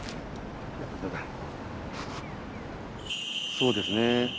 そうですね。